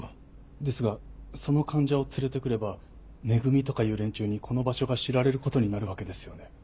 ですがその患者を連れてくれば「め組」とかいう連中にこの場所が知られることになるわけですよね。